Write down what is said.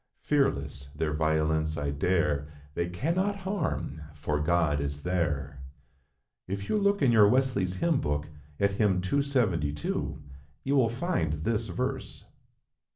Fearless, their violence I dare; They cannot harm, for God is there." If you look in your Wesley's Hymn Book, at hymn 272, you will find this verse.